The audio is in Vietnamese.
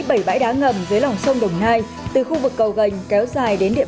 xử lý bảy bãi đá ngầm dưới lòng sông đồng nai từ khu vực cầu gành kéo dài đến địa bàn tỉnh bình dương